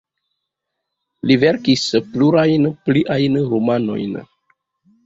Li verkis plurajn pliajn romanojn.